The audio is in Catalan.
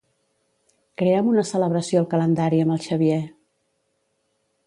Crea'm una celebració al calendari amb el Xavier.